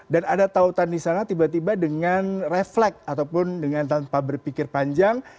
dan ada tautan di sana tiba tiba dengan refleks ataupun dengan tanpa berpikir panjang